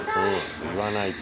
言わないと。